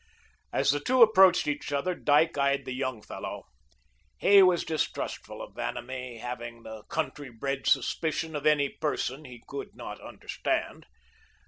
As the two approached each other, Dyke eyed the young fellow. He was distrustful of Vanamee, having the country bred suspicion of any person he could not understand.